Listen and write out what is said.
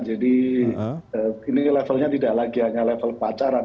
jadi ini levelnya tidak lagi hanya level pacaran